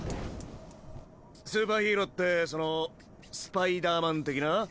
スーパーヒーローってそのスパイダーマン的な？